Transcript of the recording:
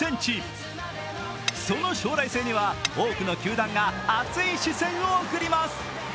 その将来性には多くの球団が熱い視線を送ります。